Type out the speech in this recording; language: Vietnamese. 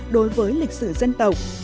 đối với lịch sử dân tộc